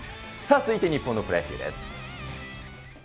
続いて日本のプロ野球です。